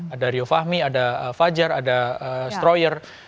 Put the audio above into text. ada rio fahmi ada fajar ada stroyer